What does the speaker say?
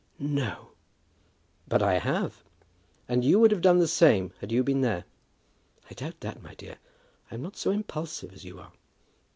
"No!" "But I have. And you would have done the same had you been there." "I doubt that, my dear. I am not so impulsive as you are."